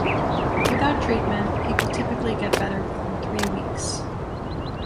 Without treatment people typically get better within three weeks.